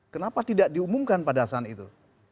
kenapa tidak diumumkan pada saat itu